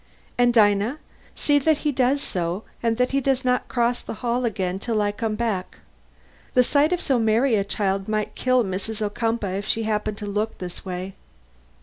And Dinah, see that he does so, and that he does not cross the hall again till I come back. The sight of so merry a child might kill Mrs. Ocumpaugh if she happened to look this way."